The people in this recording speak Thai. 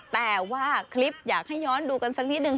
แต่ว่าคลิปอยากให้ย้อนดูกันสักนิดนึง